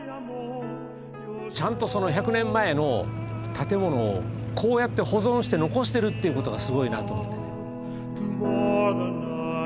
ちゃんと１００年前の建物をこうやって保存して残してるっていうことがすごいなと思ってね。